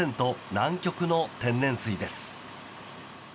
南極の天然水です。